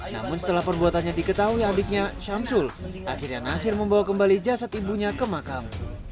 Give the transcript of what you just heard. namun setelah perbuatannya diketahui adiknya syamsul akhirnya nasir membawa kembali jasad ibunya ke makam